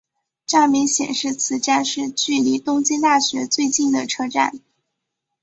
站名显示此站是距离东京大学最近的车站。